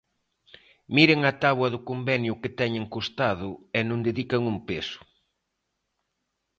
Miren a táboa do convenio que teñen co Estado e non dedican un peso.